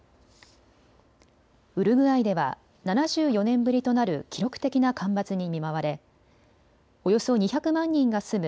ウルグアイでは７４年ぶりとなる記録的な干ばつに見舞われおよそ２００万人が住む